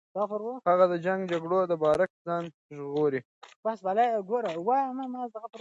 هغه د جنګ جګړو د برعکس ځان ژغوري.